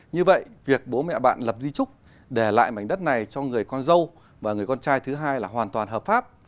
như vậy việc bố mẹ bạn lập di trúc để lại mảnh đất này cho người con dâu và người con trai thứ hai là hoàn toàn hợp pháp